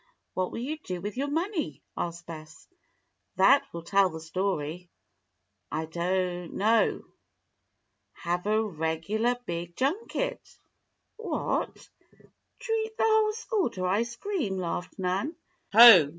what will you do with your money?" asked Bess. "That will tell the story." "I don't know." "Have a regular big junket." "What? Treat the whole school to ice cream?" laughed Nan. "Ho!